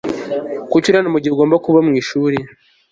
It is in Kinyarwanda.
Kuki uri hano mugihe ugomba kuba mwishuri